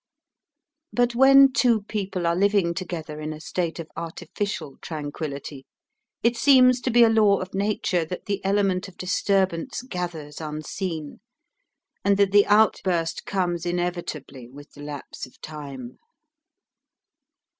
But when two people are living together in a state of artificial tranquillity, it seems to be a law of nature that the element of disturbance gathers unseen, and that the outburst comes inevitably with the lapse of time.